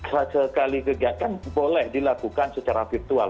sesekali kegiatan boleh dilakukan secara virtual